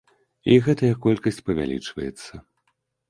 І гэтая колькасць павялічваецца.